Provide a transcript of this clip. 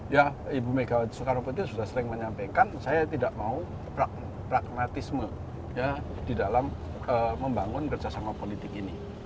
ya ibu megawati soekarno putri sudah sering menyampaikan saya tidak mau pragmatisme di dalam membangun kerjasama politik ini